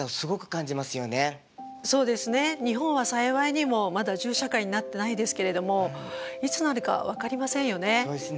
そうですね日本は幸いにもまだ銃社会になってないですけれどもいつなるか分かりませんよね。